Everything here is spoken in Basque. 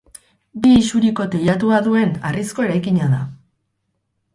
Bi isuriko teilatua duen harrizko eraikina da.